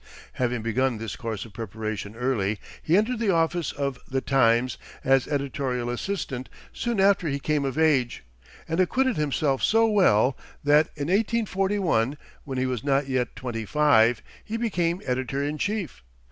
Having begun this course of preparation early, he entered the office of "The Times" as editorial assistant soon after he came of age, and acquitted himself so well that, in 1841, when he was not yet twenty five, he became editor in chief.